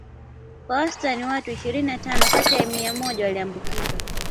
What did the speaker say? Kwa wastani watu ishirini na tano kati ya mia moja walioambukizwa